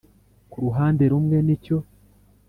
ku ruhande rumwe nicyo